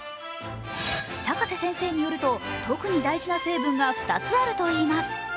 高瀬先生によると、特に大事な成分が２つあるといいます。